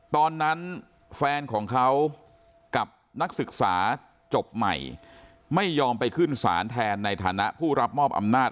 ตอนนั้นแฟนของเขากับนักศึกษาจบใหม่ไม่ยอมไปขึ้นศาลแทนในฐานะผู้รับมอบอำนาจ